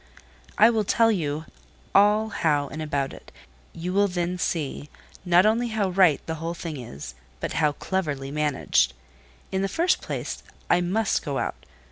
I will tell you all how and about it; and you will then see, not only how right the whole thing is, but how cleverly managed. In the first place, I must go out.